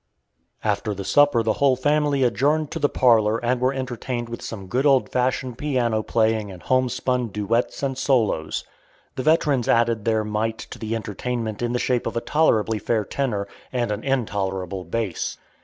After the supper the whole family adjourned to the parlor and were entertained with some good old fashioned piano playing and homespun duets and solos. The veterans added their mite to the entertainment in the shape of a tolerably fair tenor and an intolerable bass.